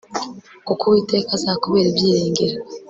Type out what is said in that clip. Kuko Uwiteka azakubera ibyiringiro